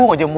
iya dia mau